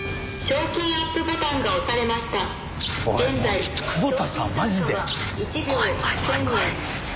もうちょっと久保田さんマジで。